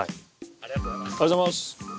ありがとうございます！